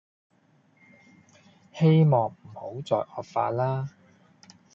希望唔好再惡化啦